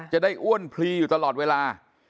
จะได้อ้วนพลีอยู่ตลอดเวลา